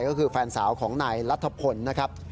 ก็คือแฟนสาวของนายรัฐพลนะครับ